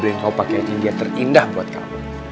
beliin kau pakaian yang terindah buat kamu